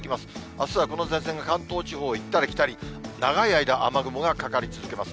あすはこの前線が関東地方を行ったり来たり、長い間、雨雲がかかり続けます。